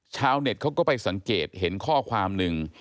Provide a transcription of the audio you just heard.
เน็ตเขาก็ไปสังเกตเห็นข้อความหนึ่ง